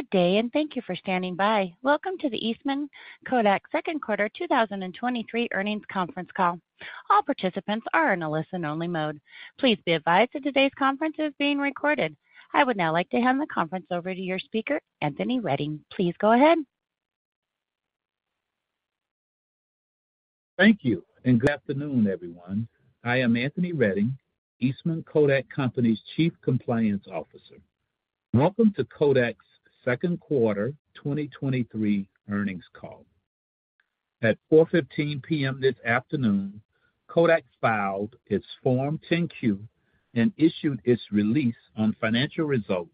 Good day. Thank you for standing by. Welcome to the Eastman Kodak second quarter 2023 earnings conference call. All participants are in a listen-only mode. Please be advised that today's conference is being recorded. I would now like to hand the conference over to your speaker, Anthony Redding. Please go ahead. Thank you. Good afternoon, everyone. I am Anthony Redding, Eastman Kodak Company's Chief Compliance Officer. Welcome to Kodak's second quarter 2023 earnings call. At 4:15 P.M. this afternoon, Kodak filed its Form 10-Q and issued its release on financial results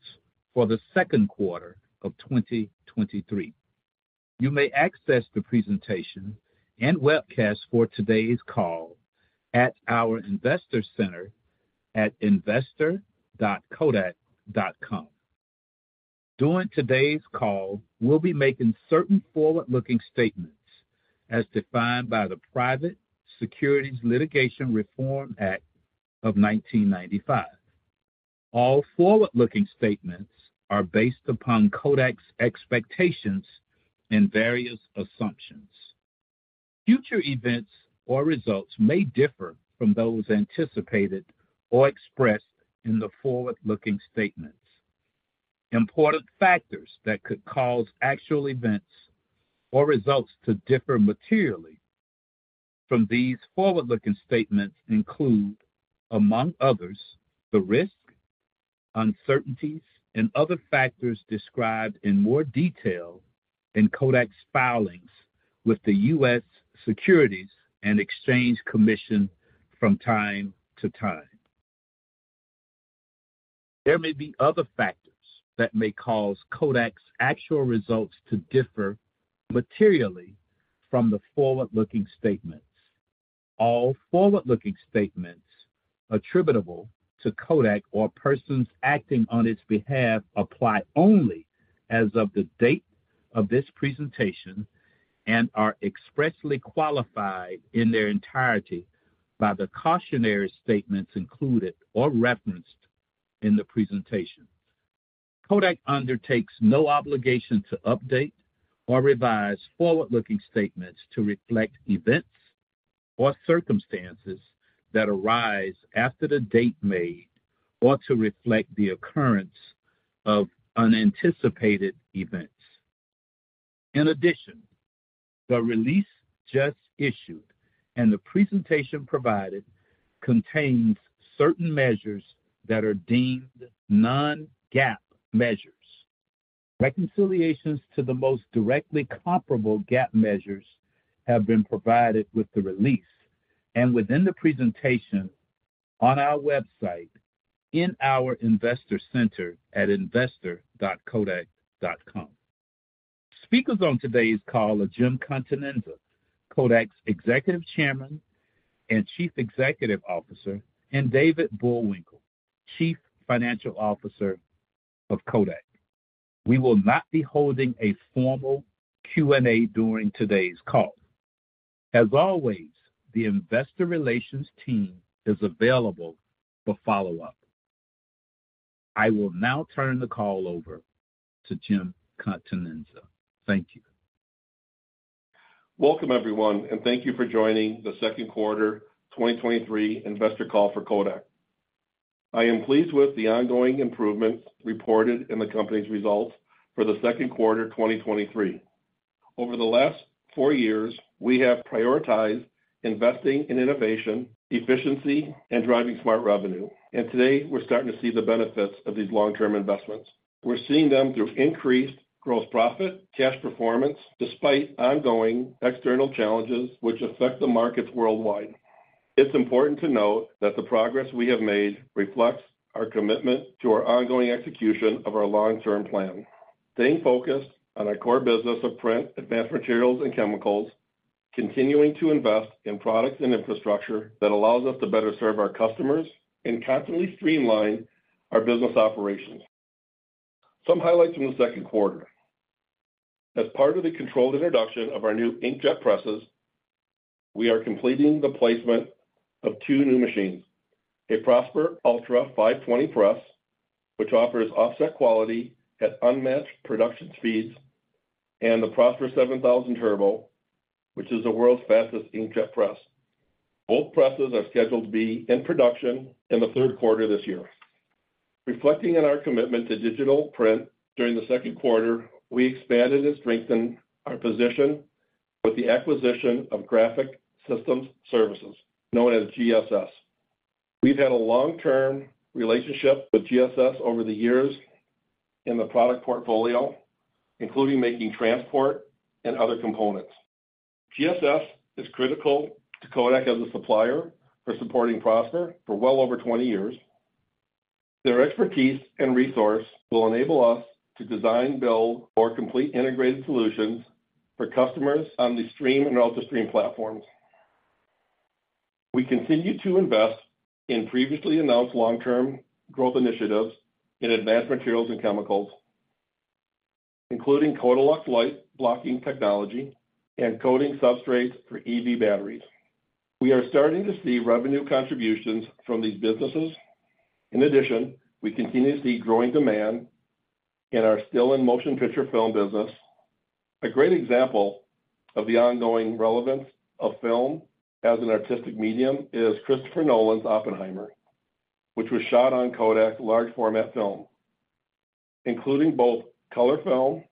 for the second quarter of 2023. You may access the presentation and webcast for today's call at our investor center at investor.kodak.com. During today's call, we'll be making certain forward-looking statements as defined by the Private Securities Litigation Reform Act of 1995. All forward-looking statements are based upon Kodak's expectations and various assumptions. Future events or results may differ from those anticipated or expressed in the forward-looking statements. Important factors that could cause actual events or results to differ materially from these forward-looking statements include, among others: the risks, uncertainties, and other factors described in more detail in Kodak's filings with the U.S. Securities and Exchange Commission from time to time. There may be other factors that may cause Kodak's actual results to differ materially from the forward-looking statements. All forward-looking statements attributable to Kodak or persons acting on its behalf apply only as of the date of this presentation and are expressly qualified in their entirety by the cautionary statements included or referenced in the presentation. Kodak undertakes no obligation to update or revise forward-looking statements to reflect events or circumstances that arise after the date made, or to reflect the occurrence of unanticipated events. In addition, the release just issued and the presentation provided contains certain measures that are deemed non-GAAP measures. Reconciliations to the most directly comparable GAAP measures have been provided with the release and within the presentation on our website in our investor center at investor.kodak.com. Speakers on today's call are Jim Continenza, Kodak's Executive Chairman and Chief Executive Officer, and David Bullwinkle, Chief Financial Officer of Kodak. We will not be holding a formal Q&A during today's call. As always, the investor relations team is available for follow-up. I will now turn the call over to Jim Continenza. Thank you. Welcome, everyone, and thank you for joining the second quarter 2023 investor call for Kodak. I am pleased with the ongoing improvements reported in the company's results for the second quarter 2023. Over the last 4 years, we have prioritized investing in innovation, efficiency, and driving smart revenue, and today we're starting to see the benefits of these long-term investments. We're seeing them through increased gross profit, cash performance, despite ongoing external challenges which affect the markets worldwide. It's important to note that the progress we have made reflects our commitment to our ongoing execution of our long-term plan, staying focused on our core business of print, advanced materials, and chemicals, continuing to invest in products and infrastructure that allows us to better serve our customers, and constantly streamline our business operations. Some highlights from the second quarter. As part of the controlled introduction of our new inkjet presses, we are completing the placement of two new machines, a PROSPER ULTRA 520 press, which offers offset quality at unmatched production speeds, and the PROSPER 7000 Turbo, which is the world's fastest inkjet press. Both presses are scheduled to be in production in the third quarter this year. Reflecting on our commitment to digital print during the second quarter, we expanded and strengthened our position with the acquisition of Graphic Systems Services, known as GSS. We've had a long-term relationship with GSS over the years in the product portfolio, including making transport and other components. GSS is critical to Kodak as a supplier for supporting PROSPER for well over 20 years. Their expertise and resource will enable us to design, build, or complete integrated solutions for customers on the STREAM and ULTRASTREAM platforms. We continue to invest in previously announced long-term growth initiatives in advanced materials and chemicals, including KODALUX light-blocking technology and coating substrates for EV batteries. We are starting to see revenue contributions from these businesses. We continue to see growing demand in our still and motion picture film business. A great example of the ongoing relevance of film as an artistic medium is Christopher Nolan's Oppenheimer, which was shot on Kodak large format film, including both color film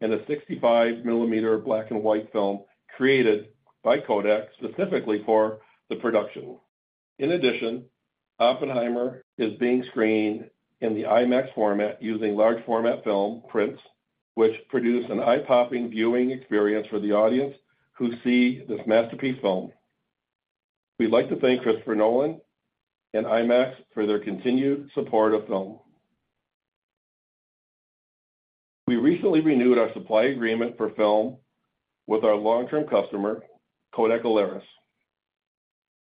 and a 65mm black and white film created by Kodak specifically for the production. Oppenheimer is being screened in the IMAX format using large format film prints, which produce an eye-popping viewing experience for the audience who see this masterpiece film. We'd like to thank Christopher Nolan and IMAX for their continued support of film. We recently renewed our supply agreement for film with our long-term customer, Kodak Alaris,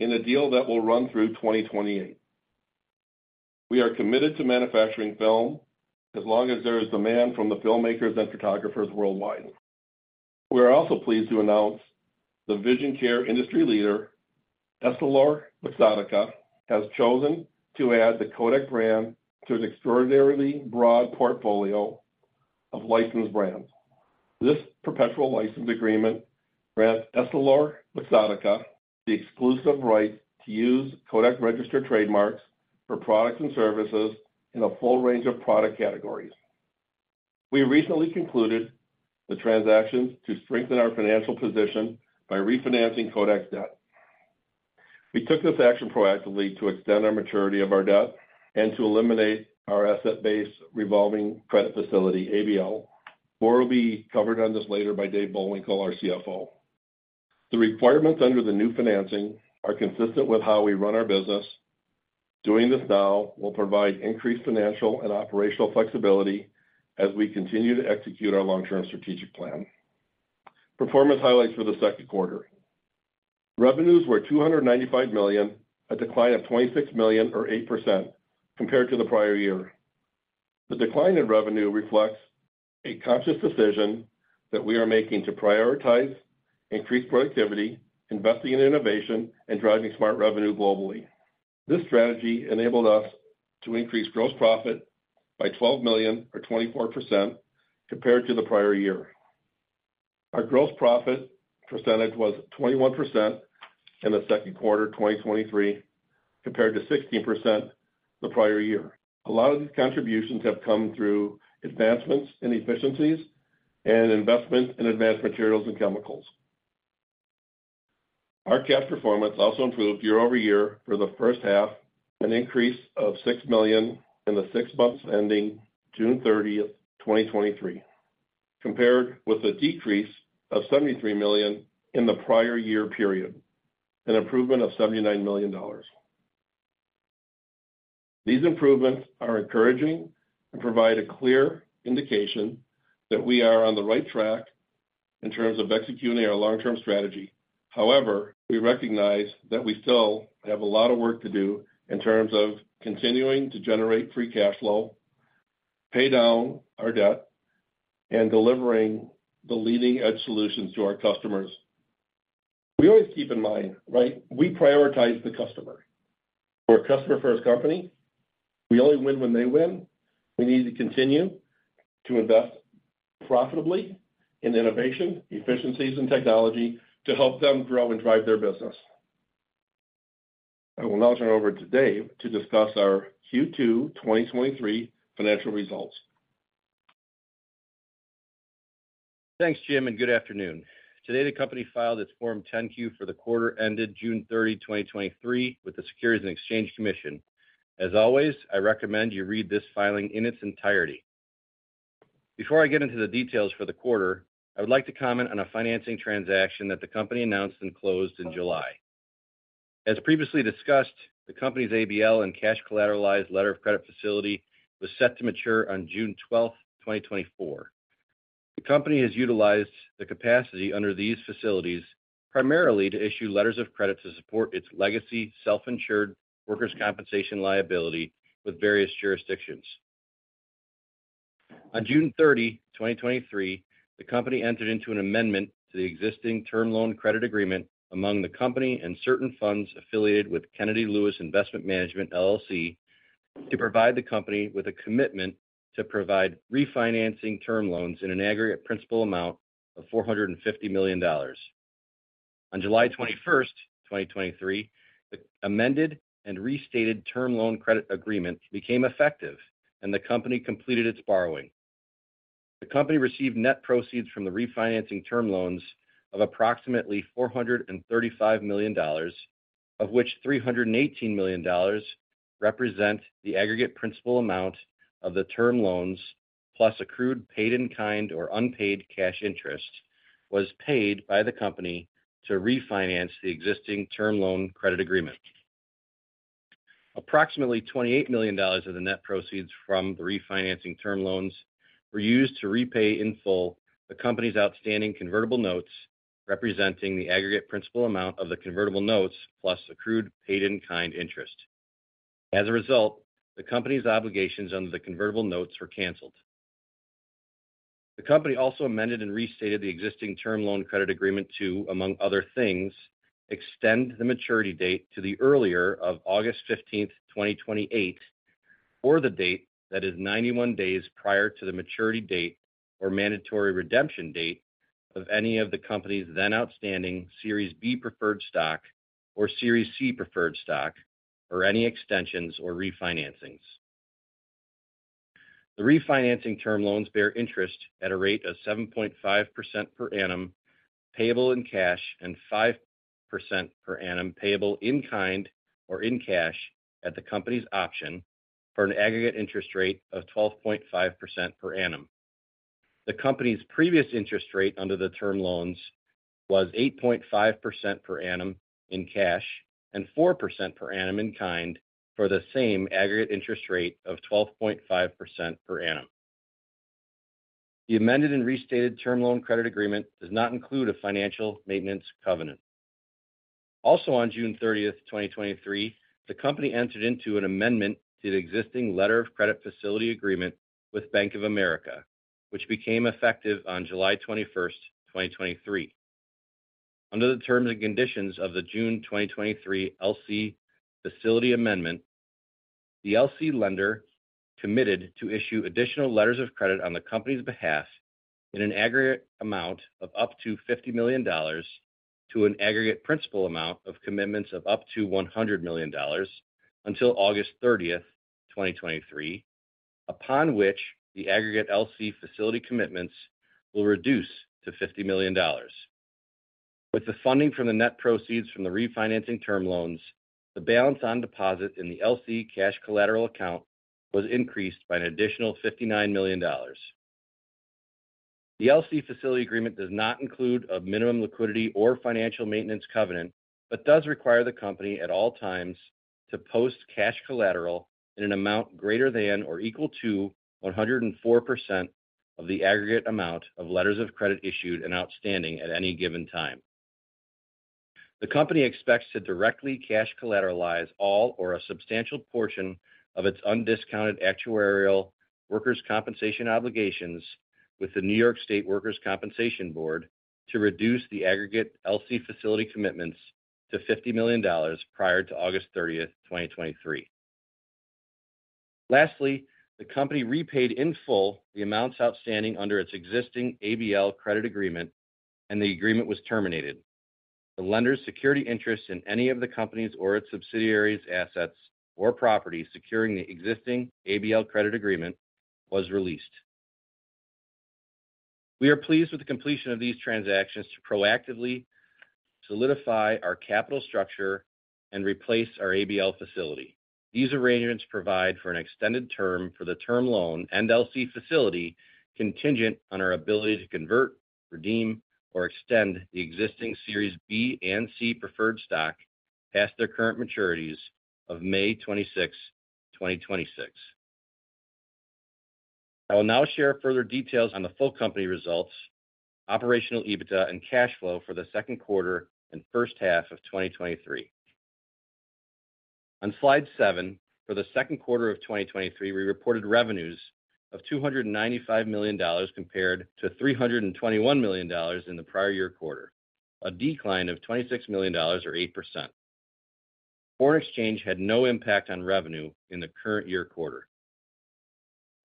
in a deal that will run through 2028. We are committed to manufacturing film as long as there is demand from the filmmakers and photographers worldwide. We are also pleased to announce the vision care industry leader, EssilorLuxottica, has chosen to add the Kodak brand to an extraordinarily broad portfolio of licensed brands. This perpetual license agreement grants EssilorLuxottica the exclusive right to use Kodak registered trademarks for products and services in a full range of product categories. We recently concluded the transactions to strengthen our financial position by refinancing Kodak's debt. We took this action proactively to extend our maturity of our debt and to eliminate our asset-based revolving credit facility, ABL. More will be covered on this later by Dave Bullwinkle, called our CFO. The requirements under the new financing are consistent with how we run our business. Doing this now will provide increased financial and operational flexibility as we continue to execute our long-term strategic plan. Performance highlights for the second quarter. Revenues were $295 million, a decline of $26 million, or 8%, compared to the prior year. The decline in revenue reflects a conscious decision that we are making to prioritize, increase productivity, investing in innovation, and driving smart revenue globally. This strategy enabled us to increase gross profit by $12 million, or 24%, compared to the prior year. Our gross profit percentage was 21% in the second quarter, 2023, compared to 16% the prior year. A lot of these contributions have come through advancements in efficiencies and investment in advanced materials and chemicals. Our cash performance also improved year-over-year for the first half, an increase of $6 million in the 6 months ending June 30, 2023, compared with a decrease of $73 million in the prior year period, an improvement of $79 million. These improvements are encouraging and provide a clear indication that we are on the right track in terms of executing our long-term strategy. However, we recognize that we still have a lot of work to do in terms of continuing to generate free cash flow, pay down our debt, and delivering the leading edge solutions to our customers. We always keep in mind, right, we prioritize the customer. We're a customer-first company. We only win when they win. We need to continue to invest profitably in innovation, efficiencies, and technology to help them grow and drive their business. I will now turn over to Dave to discuss our Q2 2023 financial results. Thanks, Jim, and good afternoon. Today, the company filed its Form 10-Q for the quarter ended June 30, 2023, with the U.S. Securities and Exchange Commission. As always, I recommend you read this filing in its entirety. Before I get into the details for the quarter, I would like to comment on a financing transaction that the company announced and closed in July. As previously discussed, the company's ABL and cash collateralized letter of credit facility was set to mature on June 12, 2024. The company has utilized the capacity under these facilities primarily to issue letters of credit to support its legacy Self-Insured Workers' Compensation liability with various jurisdictions. On June 30, 2023, the company entered into an amendment to the existing term loan credit agreement among the company and certain funds affiliated with Kennedy Lewis Investment Management LLC, to provide the company with a commitment to provide refinancing term loans in an aggregate principal amount of $450 million. On July 21, 2023, the amended and restated term loan credit agreement became effective and the company completed its borrowing. The company received net proceeds from the refinancing term loans of approximately $435 million, of which $318 million represent the aggregate principal amount of the term loans, plus accrued paid-in-kind or unpaid cash interest, was paid by the company to refinance the existing term loan credit agreement. Approximately $28 million of the net proceeds from the refinancing term loans were used to repay in full the company's outstanding Convertible Notes, representing the aggregate principal amount of the Convertible Notes, plus accrued paid-in-kind interest. As a result, the company's obligations under the Convertible Notes were canceled. The company also amended and restated the existing term loan credit agreement to, among other things, extend the maturity date to the earlier of August 15th, 2028, or the date that is 91 days prior to the maturity date or mandatory redemption date of any of the company's then outstanding Series B Preferred Stock or Series C Preferred Stock, or any extensions or refinancings. The refinancing term loans bear interest at a rate of 7.5% per annum, payable in cash, and 5% per annum, payable in kind or in cash at the company's option for an aggregate interest rate of 12.5% per annum. The company's previous interest rate under the term loans was 8.5% per annum in cash and 4% per annum in kind for the same aggregate interest rate of 12.5% per annum. The amended and restated term loan credit agreement does not include a financial maintenance covenant. Also, on June 30th, 2023, the company entered into an amendment to the existing Letter of Credit facility agreement with Bank of America, which became effective on July 21st, 2023. Under the terms and conditions of the June 2023 L/C facility amendment, the L/C lender committed to issue additional letters of credit on the company's behalf in an aggregate amount of up to $50 million, to an aggregate principal amount of commitments of up to $100 million until August 30th, 2023, upon which the aggregate L/C facility commitments will reduce to $50 million. With the funding from the net proceeds from the refinancing term loans, the balance on deposit in the L/C cash collateral account was increased by an additional $59 million. The L/C Facility agreement does not include a minimum liquidity or financial maintenance covenant, but does require the company at all times to post cash collateral in an amount greater than or equal to 104% of the aggregate amount of letters of credit issued and outstanding at any given time. The company expects to directly cash collateralize all or a substantial portion of its undiscounted actuarial workers' compensation obligations with the New York State Workers' Compensation Board to reduce the aggregate L/C Facility commitments to $50 million prior to August 30, 2023. Lastly, the company repaid in full the amounts outstanding under its existing ABL credit agreement, and the agreement was terminated. The lender's security interest in any of the companies or its subsidiaries, assets, or properties securing the existing ABL credit agreement was released. We are pleased with the completion of these transactions to proactively solidify our capital structure and replace our ABL facility. These arrangements provide for an extended term for the term loan and L/C facility, contingent on our ability to convert, redeem, or extend the existing Series B Preferred Stock and Series C Preferred Stock past their current maturities of May 26, 2026. I will now share further details on the full company results, Operational EBITDA, and cash flow for the second quarter and first half of 2023. On Slide 7, for the second quarter of 2023, we reported revenues of $295 million, compared to $321 million in the prior-year quarter, a decline of $26 million or 8%. Foreign exchange had no impact on revenue in the current year quarter.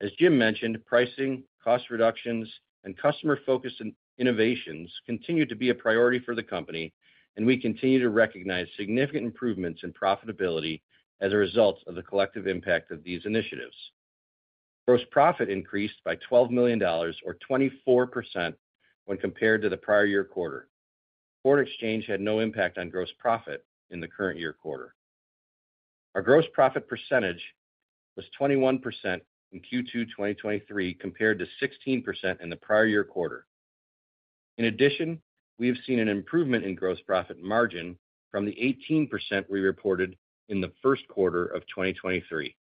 As Jim mentioned, pricing, cost reductions, and customer-focused in- innovations continued to be a priority for the company, and we continue to recognize significant improvements in profitability as a result of the collective impact of these initiatives. Gross profit increased by $12 million or 24% when compared to the prior year quarter. Foreign exchange had no impact on gross profit in the current year quarter. Our gross profit percentage was 21% in Q2 2023, compared to 16% in the prior year quarter. In addition, we have seen an improvement in gross profit margin from the 18% we reported in the first quarter of 2023.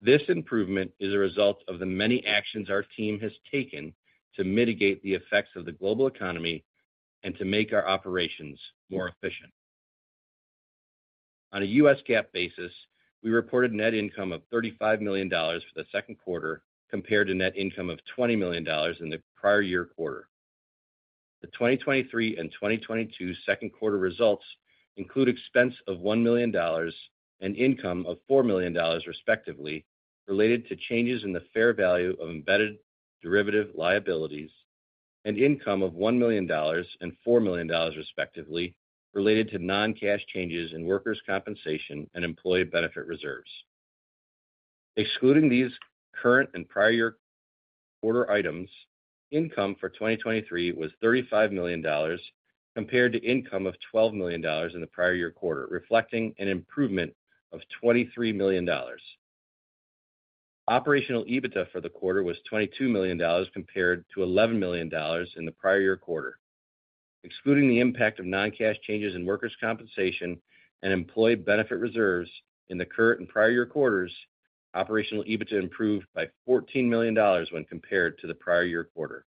This improvement is a result of the many actions our team has taken to mitigate the effects of the global economy and to make our operations more efficient. On a U.S. GAAP basis, we reported net income of $35 million for the second quarter, compared to net income of $20 million in the prior year quarter. The 2023 and 2022 second quarter results include expense of $1 million and income of $4 million, respectively, related to changes in the fair value of embedded derivative liabilities and income of $1 million and $4 million, respectively, related to non-cash changes in workers' compensation and employee benefit reserves. Excluding these current and prior year quarter items, income for 2023 was $35 million, compared to income of $12 million in the prior year quarter, reflecting an improvement of $23 million. Operational EBITDA for the quarter was $22 million compared to $11 million in the prior year quarter. Excluding the impact of non-cash changes in workers' compensation and employee benefit reserves in the current and prior year quarters, Operational EBITDA improved by $14 million when compared to the prior year quarter.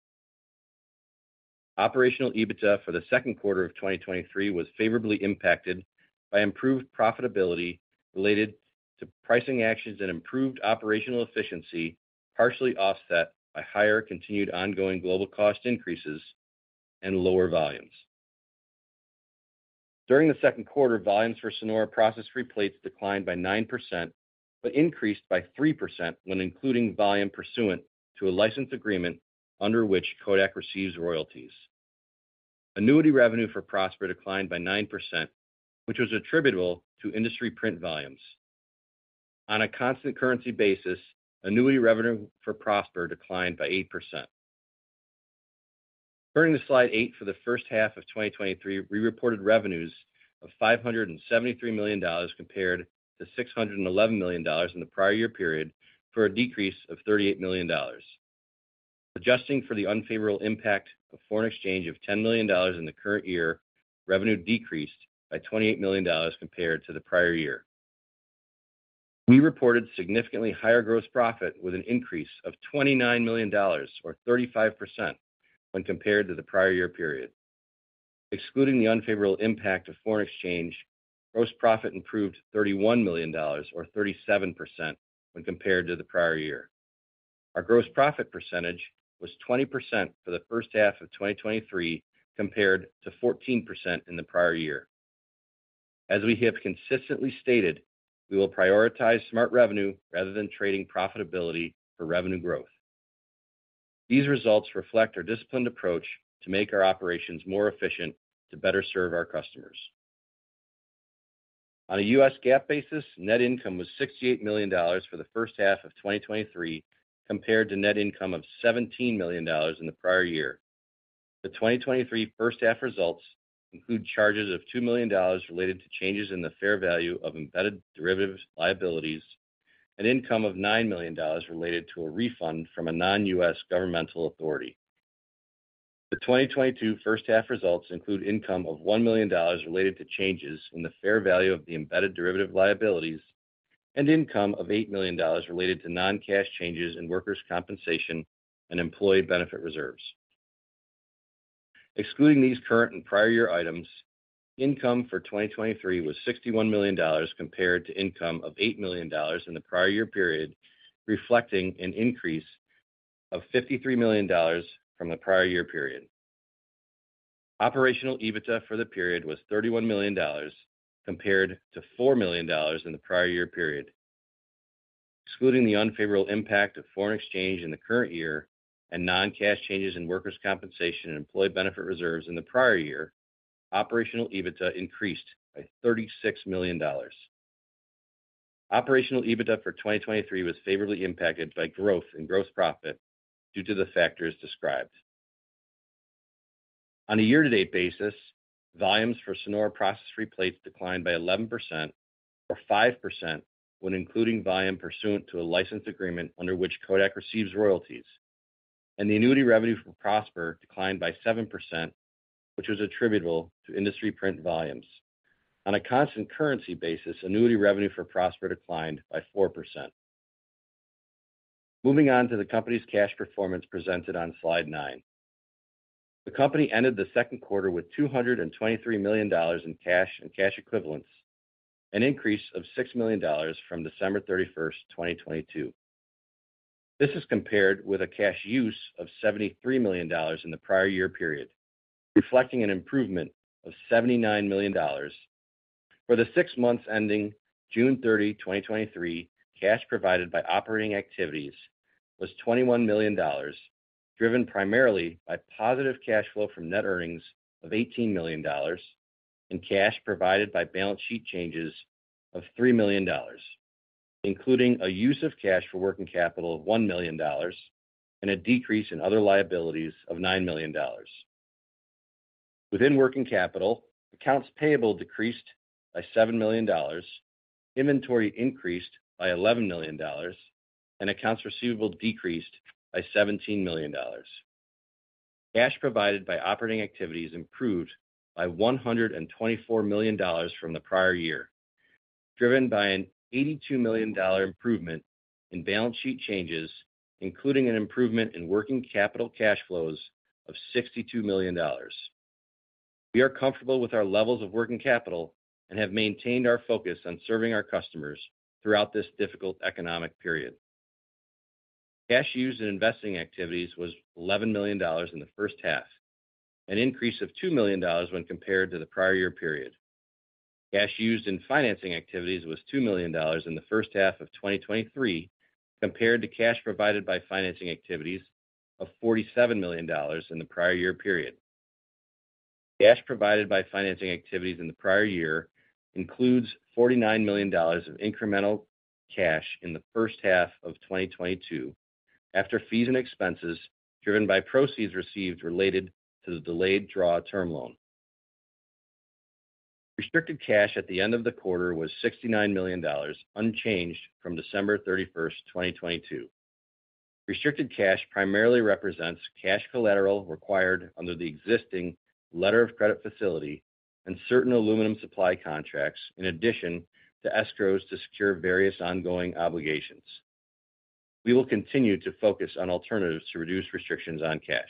Operational EBITDA for the second quarter of 2023 was favorably impacted by improved profitability related to pricing actions and improved operational efficiency, partially offset by higher continued ongoing global cost increases and lower volumes. During the second quarter, volumes for SONORA process-free plates declined by 9%, but increased by 3% when including volume pursuant to a license agreement under which Kodak receives royalties. Annuity revenue for PROSPER declined by 9%, which was attributable to industry print volumes. On a constant currency basis, annuity revenue for PROSPER declined by 8%. Turning to slide 8, for the first half of 2023, we reported revenues of $573 million, compared to $611 million in the prior year period, for a decrease of $38 million. Adjusting for the unfavorable impact of foreign exchange of $10 million in the current year, revenue decreased by $28 million compared to the prior year. We reported significantly higher gross profit, with an increase of $29 million or 35% when compared to the prior year period. Excluding the unfavorable impact of foreign exchange, gross profit improved $31 million or 37% when compared to the prior year. Our gross profit percentage was 20% for the first half of 2023, compared to 14% in the prior year. As we have consistently stated, we will prioritize smart revenue rather than trading profitability for revenue growth. These results reflect our disciplined approach to make our operations more efficient, to better serve our customers. On a U.S. GAAP basis, net income was $68 million for the first half of 2023, compared to net income of $17 million in the prior year. The 2023 first half results include charges of $2 million related to changes in the fair value of embedded derivative liabilities and income of $9 million related to a refund from a non-U.S. governmental authority. The 2022 first half results include income of $1 million related to changes in the fair value of the embedded derivative liabilities and income of $8 million related to non-cash changes in workers' compensation and employee benefit reserves. Excluding these current and prior year items, income for 2023 was $61 million, compared to income of $8 million in the prior year period, reflecting an increase of $53 million from the prior year period. Operational EBITDA for the period was $31 million, compared to $4 million in the prior year period. Excluding the unfavorable impact of foreign exchange in the current year and non-cash changes in workers' compensation and employee benefit reserves in the prior year, Operational EBITDA increased by $36 million. Operational EBITDA for 2023 was favorably impacted by growth in gross profit due to the factors described. On a year-to-date basis, volumes for SONORA process-free plates declined by 11% or 5% when including volume pursuant to a license agreement under which Kodak receives royalties. The annuity revenue for PROSPER declined by 7%, which was attributable to industry print volumes. On a constant currency basis, annuity revenue for PROSPER declined by 4%. Moving on to the company's cash performance presented on slide 9. The company ended the second quarter with $223 million in cash and cash equivalents, an increase of $6 million from December 31, 2022. This is compared with a cash use of $73 million in the prior year period, reflecting an improvement of $79 million. For the six months ending June 30, 2023, cash provided by operating activities was $21 million, driven primarily by positive cash flow from net earnings of $18 million and cash provided by balance sheet changes of $3 million, including a use of cash for working capital of $1 million and a decrease in other liabilities of $9 million. Within working capital, accounts payable decreased by $7 million, inventory increased by $11 million, and accounts receivable decreased by $17 million. Cash provided by operating activities improved by $124 million from the prior year, driven by an $82 million improvement in balance sheet changes, including an improvement in working capital cash flows of $62 million. We are comfortable with our levels of working capital and have maintained our focus on serving our customers throughout this difficult economic period. Cash used in investing activities was $11 million in the first half, an increase of $2 million when compared to the prior year period. Cash used in financing activities was $2 million in the first half of 2023, compared to cash provided by financing activities of $47 million in the prior year period. Cash provided by financing activities in the prior year includes $49 million of incremental cash in the first half of 2022, after fees and expenses driven by proceeds received related to the delayed draw term loan. Restricted cash at the end of the quarter was $69 million, unchanged from December 31, 2022. Restricted cash primarily represents cash collateral required under the existing L/C Facility and certain aluminum supply contracts, in addition to escrows to secure various ongoing obligations. We will continue to focus on alternatives to reduce restrictions on cash.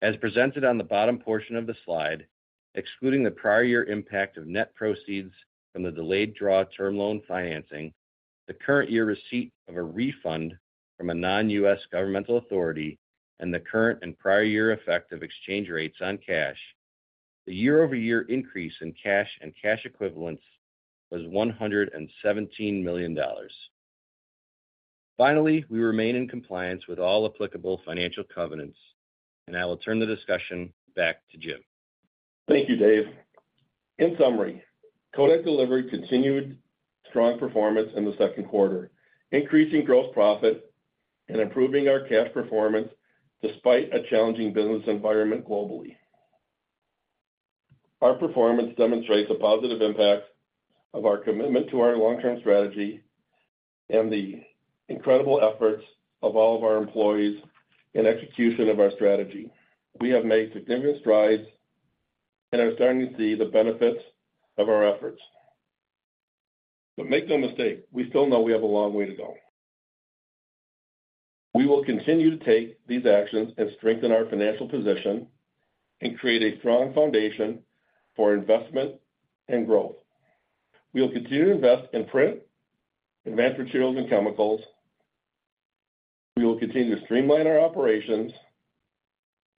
As presented on the bottom portion of the slide, excluding the prior year impact of net proceeds from the delayed draw term loan financing, the current year receipt of a refund from a non-U.S. governmental authority, and the current and prior year effect of exchange rates on cash, the year-over-year increase in cash and cash equivalents was $117 million. Finally, we remain in compliance with all applicable financial covenants, I will turn the discussion back to Jim. Thank you, Dave. In summary, Kodak delivered continued strong performance in the second quarter, increasing gross profit and improving our cash performance despite a challenging business environment globally. Our performance demonstrates the positive impact of our commitment to our long-term strategy and the incredible efforts of all of our employees in execution of our strategy. We have made significant strides and are starting to see the benefits of our efforts. Make no mistake, we still know we have a long way to go. We will continue to take these actions and strengthen our financial position and create a strong foundation for investment and growth. We will continue to invest in print, advanced materials, and chemicals. We will continue to streamline our operations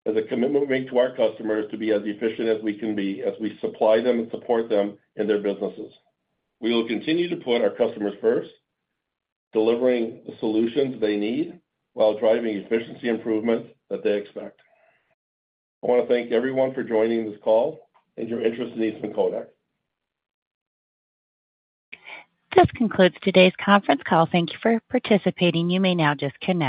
as a commitment we make to our customers to be as efficient as we can be, as we supply them and support them in their businesses. We will continue to put our customers first, delivering the solutions they need while driving efficiency improvements that they expect. I want to thank everyone for joining this call and your interest in Eastman Kodak. This concludes today's conference call. Thank you for participating. You may now disconnect.